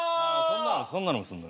そんなのもするんだね。